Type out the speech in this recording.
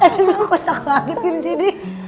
aduh kocak banget sini sini